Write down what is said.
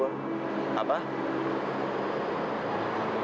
dan gue sadar ko